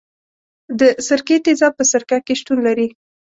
د سرکې تیزاب په سرکه کې شتون لري.